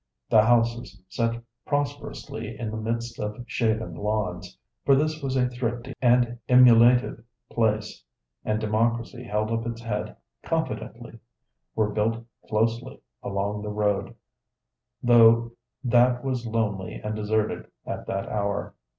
The houses, set prosperously in the midst of shaven lawns for this was a thrifty and emulative place, and democracy held up its head confidently were built closely along the road, though that was lonely and deserted at that hour.